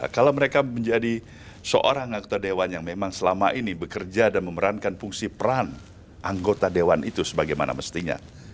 kalau mereka menjadi seorang anggota dewan yang memang selama ini bekerja dan memerankan fungsi peran anggota dewan itu sebagaimana mestinya